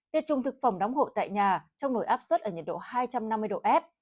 tiết trung thực phẩm đóng hộp tại nhà trong nổi áp suất ở nhiệt độ hai trăm năm mươi độ f